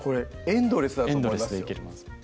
エンドレスでいけます